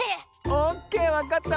オッケーわかったわ。